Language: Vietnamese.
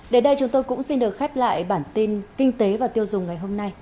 đến đây chúng tôi cũng xin được khép lại bản tin kinh tế và tiêu dùng ngày hôm nay